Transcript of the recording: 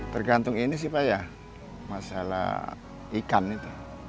tergantung ini sih pak ya masalah ikan itu